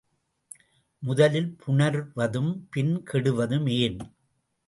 முதலில் புணர்வதும் பின் கெடுவதும் ஏன்?